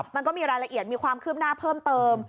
มันก็มีรายละเอียดมีความคืบหน้าเพิ่มเติม